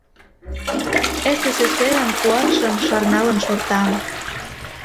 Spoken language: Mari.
СССР-ын куатшым шарналын шортам.